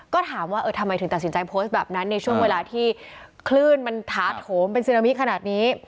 ก็ถามว่าเออทำไมถึงตัดสินใจโพสต์แบบนั้นในช่วงเวลาที่คลื่นมันถาโถมเป็นซึนามิขนาดนี้